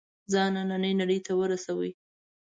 ځان نننۍ نړۍ ته ورسوي.